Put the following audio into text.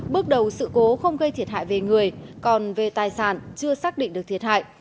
bước đầu sự cố không gây thiệt hại về người còn về tài sản chưa xác định được thiệt hại